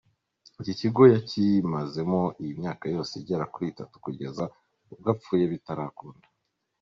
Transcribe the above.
Iki kigo yakimazemo iyi myaka yose igera kuri itatu kugeza ubwo apfuye bitarakunda.